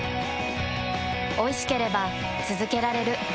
おいしければつづけられる。